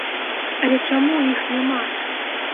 Але чаму іх няма?